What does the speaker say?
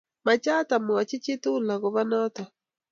Machamat amwochi chi agetugul agobo noto